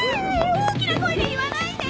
大きな声で言わないで！